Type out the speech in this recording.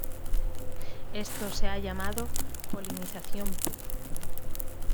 Esto se ha llamado "polinización puff".